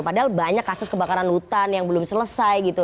padahal banyak kasus kebakaran hutan yang belum selesai gitu